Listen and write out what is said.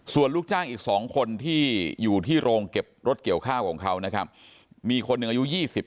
ส่วนลูกจ้างอีก๒คนที่อยู่ที่โรงเก็บรถเกี่ยวข้าวของเขานะครับมีคนหนึ่งอายุ๒๐